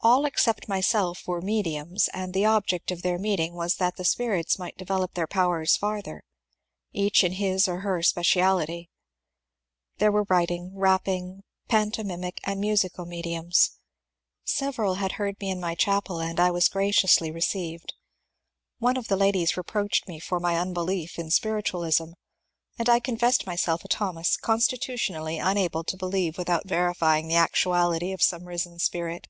All except myself were ^^ mediums," and the object of their meeting was that the spirits might develop their powers farther, — each in his or her specialty. There were writing, rapping, pantomimic, and musical mediums. Several had heard me in my chapel and I was graciously received. One of the ladies gently reproached me for my unbelief in spiritual ism, and I confessed myself a Thomas constitutionally imable to believe without verifying the actuality of some risen spirit.